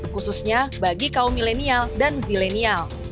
khususnya bagi kaum milenial dan zilenial